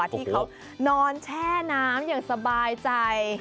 ที่เขานอนแช่น้ำอย่างสบายใจ